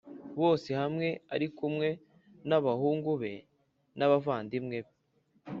Bose hamwe ari kumwe n’abahungu be n’abavandimwe be